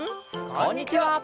こんにちは。